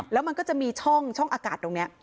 แล้วมันก็จะมีช่องอากาศตรงนี้